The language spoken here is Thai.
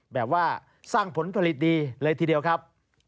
แบบว่าสร้างผลผลิตดีเลยทีเดียวครับ